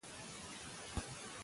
که زغم وي نو جنګ نه کیږي.